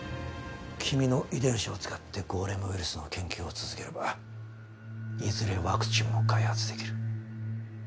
君の遺伝子を使ってゴーレムウイルスの研究を続ければいずれワクチンも開発できる。